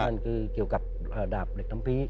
นั่นคือเกี่ยวกับดาบเด็กทัมภีร์